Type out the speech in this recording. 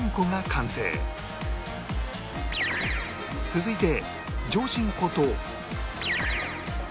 続いて